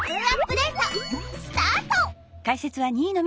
スタート！